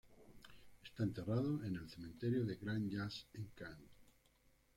Está enterrado en el cementerio de Grand Jas en Cannes.